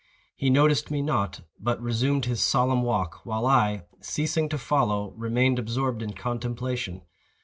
He noticed me not, but resumed his solemn walk, while I, ceasing to follow, remained absorbed in contemplation.